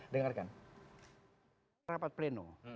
dengarkan rapat pleno